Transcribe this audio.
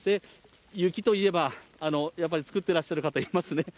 雪といえば、やっぱり作ってらっしゃる方いますね。